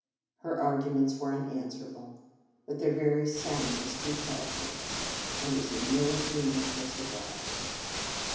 Her arguments were unanswerable, but their very soundness repelled me. I was in no humour for sobriety.